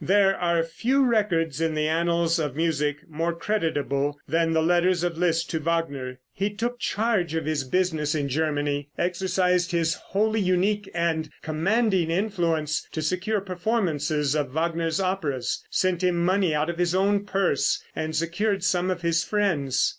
There are few records in the annals of music more creditable than the letters of Liszt to Wagner. He took charge of his business in Germany, exercised his wholly unique and commanding influence to secure performances of Wagner's operas, sent him money out of his own purse, and secured some from his friends.